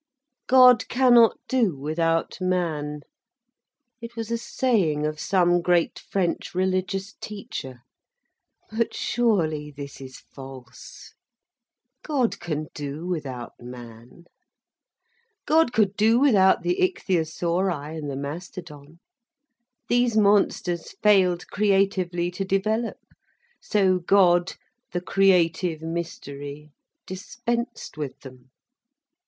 "God cannot do without man." It was a saying of some great French religious teacher. But surely this is false. God can do without man. God could do without the ichthyosauri and the mastodon. These monsters failed creatively to develop, so God, the creative mystery, dispensed with them.